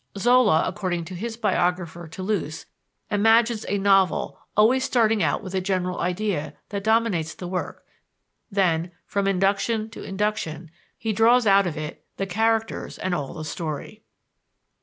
Zola, according to his biographer, Toulouse, "imagines a novel, always starting out with a general idea that dominates the work; then, from induction to induction, he draws out of it the characters and all the story."